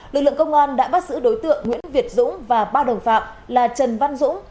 lực lượng công an đã bắt giữ đối tượng nguyễn việt dũng và ba đồng phạm là trần văn dũng